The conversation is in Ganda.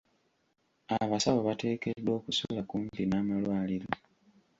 Abasawo bateekeddwa okusula kumpi n'amalwaliro.